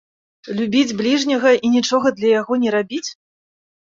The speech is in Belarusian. Любіць бліжняга і нічога для яго не рабіць?